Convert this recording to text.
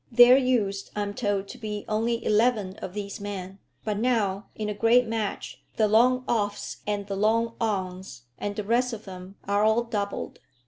There used, I am told, to be only eleven of these men; but now, in a great match, the long offs, and the long ons, and the rest of them, are all doubled.